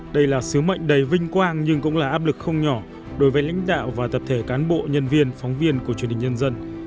đây là sứ mệnh đầy vinh quang nhưng cũng là áp lực không nhỏ đối với lãnh đạo và tập thể cán bộ nhân viên phóng viên của truyền hình nhân dân